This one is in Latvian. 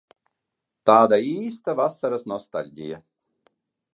Tāda īsta vasaras nostaļģija.